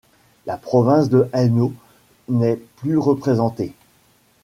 La Province de Hainaut n'est plus représentée.